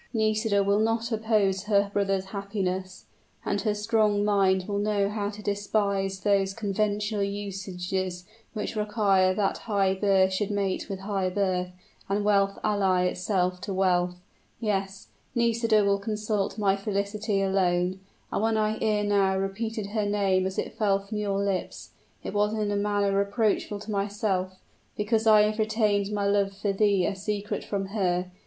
"Nisida will not oppose her brother's happiness; and her strong mind will know how to despise those conventional usages which require that high birth should mate with high birth, and wealth ally itself to wealth. Yes; Nisida will consult my felicity alone; and when I ere now repeated her name as it fell from your lips, it was in a manner reproachful to myself, because I have retained my love for thee a secret from her.